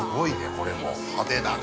これも、派手だね。